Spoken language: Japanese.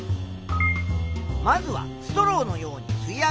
まずはストローのように吸い上げられるという予想。